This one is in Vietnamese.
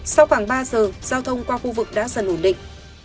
sau khoảng ba giờ giao thông qua khu vực đã dần ổn định